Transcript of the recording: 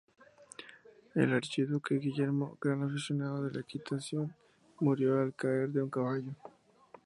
El archiduque Guillermo, gran aficionado a la equitación, murió al caer de un caballo.